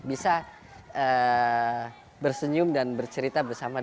bisa bersenyum dan bercerita bersama dengan